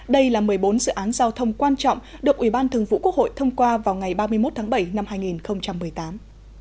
đây là một mươi bốn dự án giao thông quan trọng được ủy ban thường vụ quốc hội thông qua vào ngày ba mươi một tháng bảy năm hai nghìn một mươi tám